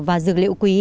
và dược liệu quý